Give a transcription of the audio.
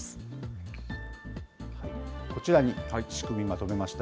こちらに仕組み、まとめました。